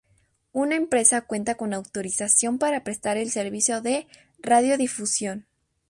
Una empresa cuenta con autorización para prestar el servicio de radiodifusión.